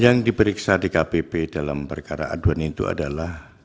yang diperiksa di kpp dalam perkara aduan itu adalah